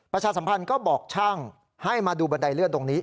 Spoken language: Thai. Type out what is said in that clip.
ประชาสัมพันธ์ก็บอกช่างให้มาดูบันไดเลื่อนตรงนี้